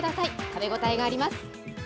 食べ応えがあります。